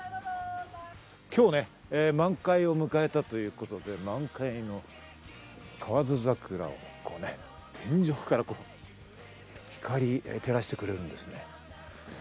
今日ね、満開を迎えたということで、満開の河津桜を天井から光が照らしてくれるんですね。